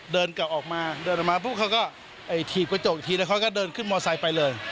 เดินกลับออกมาเดินออกมาปุ๊บเขาก็ถีบกระจกอีกทีแล้วเขาก็เดินขึ้นมอไซค์ไปเลย